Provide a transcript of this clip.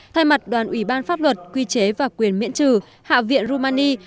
thay mặt đoàn ủy ban pháp luật quy chế và quyền miễn trừ hạ viện rumani